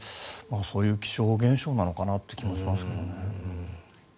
そういう気象現象なのかなという気もしますけど。